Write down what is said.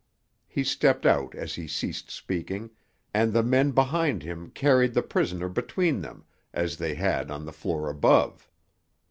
He stepped out as he ceased speaking, and the men behind him carried the prisoner between them as they had on the floor above.